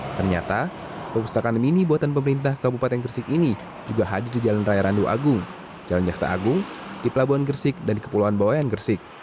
ternyata perpustakaan mini buatan pemerintah kabupaten gresik ini juga hadir di jalan raya randu agung jalan jaksa agung di pelabuhan gresik dan di kepulauan bawayan gresik